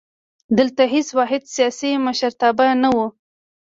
دلته هېڅ واحد سیاسي مشرتابه نه وو.